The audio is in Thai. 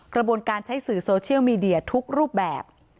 กระบวนการใช้สื่อโซเชียลมีเดียทุกรูปแบบ